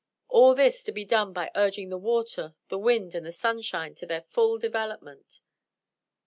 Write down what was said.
All this to be done by urging the water, the wind, and the sunshine to their full development."